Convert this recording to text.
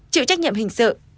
chịu trách nhiệm hình sự